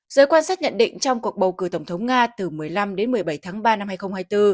giới quan sát nhận định trong cuộc bầu cử tổng thống nga từ một mươi năm đến một mươi bảy tháng ba năm hai nghìn hai mươi bốn